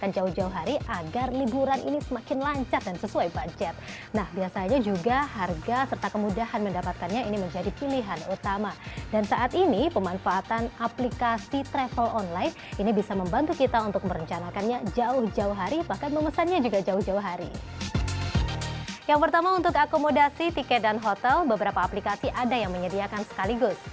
yang pertama untuk akomodasi tiket dan hotel beberapa aplikasi ada yang menyediakan sekaligus